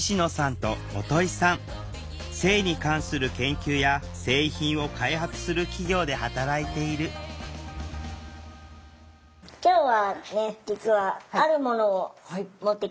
性に関する研究や製品を開発する企業で働いているはいそうです。